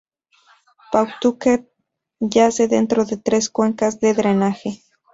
Pawtucket yace dentro de tres cuencas de drenaje.